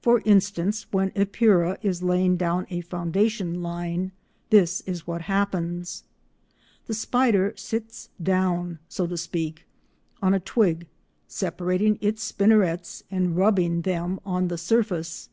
For instance, when Epeira is laying down a foundation line, this is what happens. The spider sits down, so to speak, on a twig, separating its spinnerets and rubbing them on the surface.